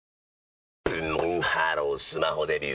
ブンブンハロースマホデビュー！